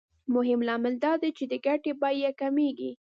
مهم لامل دا دی چې د ګټې بیه کمېږي